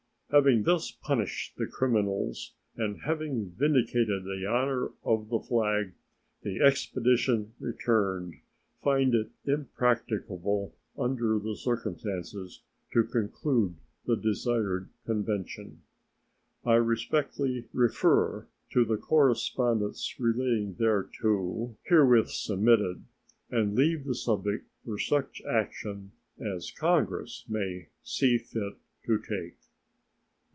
Having thus punished the criminals, and having vindicated the honor of the flag, the expedition returned, finding it impracticable under the circumstances to conclude the desired convention. I respectfully refer to the correspondence relating thereto, herewith submitted, and leave the subject for such action as Congress may see fit to take.